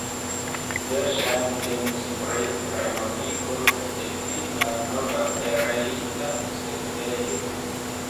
Verŝajne temis pri renovigo de pli malnova pereinta setlejo.